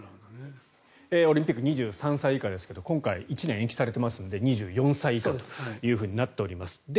オリンピック２３歳以下ですけど今回１年延期されていますので２４歳以下というふうになっております。